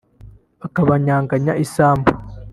akabanyanganya isambu